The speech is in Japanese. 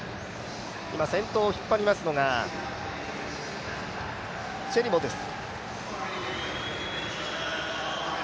今、先頭を引っ張りますのがチェリモです。